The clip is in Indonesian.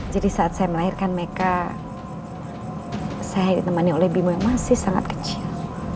jadi saat saya melahirkan mereka saya ditemani oleh bimo yang masih sangat kecil